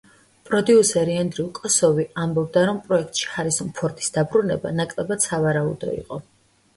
პროდიუსერი ენდრიუ კოსოვი ამბობდა, რომ პროექტში ჰარისონ ფორდის დაბრუნება ნაკლებად სავარაუდო იყო.